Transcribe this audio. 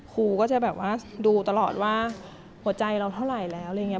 ครูก็จะแบบว่าดูตลอดว่าหัวใจเราเท่าไหร่แล้วอะไรอย่างนี้